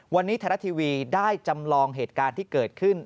วันนี้ไทยรัฐทีวีได้จำลองเหตุการณ์ที่เกิดขึ้น